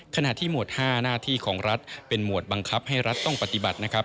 ขณะที่หมวด๕หน้าที่ของรัฐเป็นหมวดบังคับให้รัฐต้องปฏิบัตินะครับ